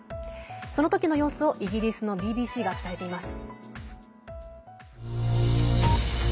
その時の様子をイギリスのＢＢＣが伝えています。